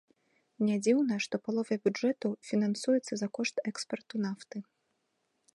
Нядзіўна, што палова бюджэту фінансуецца за кошт экспарту нафты.